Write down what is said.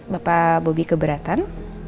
bapak bobi keberatan